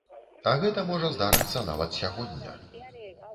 А гэта можа здарыцца нават сягоння.